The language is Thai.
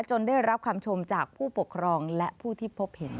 ได้รับคำชมจากผู้ปกครองและผู้ที่พบเห็น